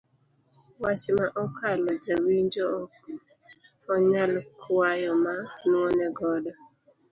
Wach ma okalo ja winjo ok onyal kwayo ma nuone godo.